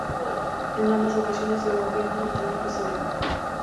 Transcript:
En ambas ocasiones el gobierno británico se negó.